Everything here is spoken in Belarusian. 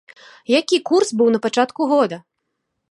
Які курс быў на пачатку года?